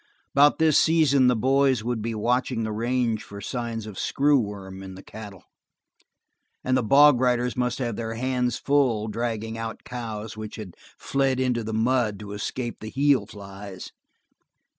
About this season the boys would be watching the range for signs of screw worms in the cattle, and the bog riders must have their hands full dragging out cows which had fled into the mud to escape the heel flies.